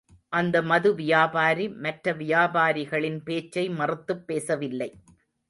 அந்த மது வியாபாரி, மற்ற வியாபாரிகளின் பேச்சை, மறுத்துப் பேசவில்லை.